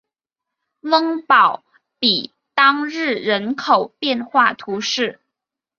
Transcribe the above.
翁堡比当日人口变化图示